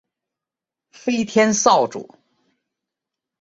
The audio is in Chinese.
飞天扫帚。